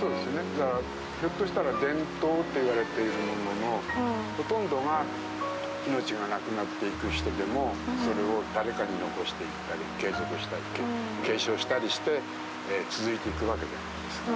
だからひょっとしたら伝統って言われているもののほとんどが命がなくなっていく人でもそれを誰かに残していったり継続したり継承したりして続いていくわけじゃないですか。